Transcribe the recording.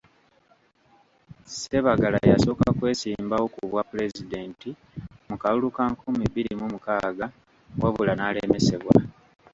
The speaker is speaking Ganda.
Ssebaggala yasooka kwesimbawo ku bwa Pulezidenti mu kalulu ka nkumi bbiri mu mukaaga wabula n'alemesebwa.